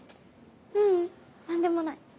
ううん何でもない。